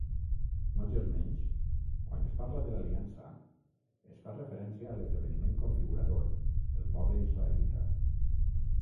Nogensmenys, quan es parla de l'Aliança, es fa referència a l'esdeveniment configurador, el poble israelita.